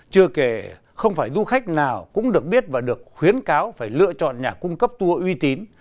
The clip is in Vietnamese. chưa kể không phải du khách nào cũng được biết và được khuyến cáo phải lựa chọn nhà cung cấp tour uy tín